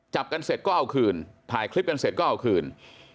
จับกันเสร็จก็เอาคืนถ่ายคลิปกันเสร็จก็เอาคืน